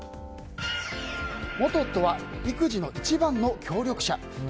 元夫は育児の一番の協力者。